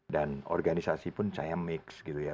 dan organisasi pun cahaya mix gitu ya